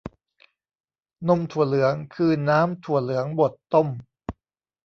นมถั่วเหลือง คือน้ำถั่วเหลืองบดต้ม